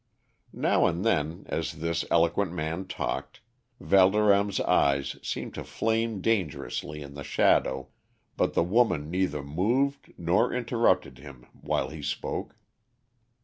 Now and then, as this eloquent man talked, Valdorême's eyes seemed to flame dangerously in the shadow, but the woman neither moved nor interrupted him while he spoke.